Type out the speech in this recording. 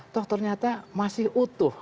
ternyata masih utuh